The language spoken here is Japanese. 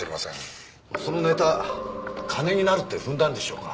そのネタ金になるって踏んだんでしょうか？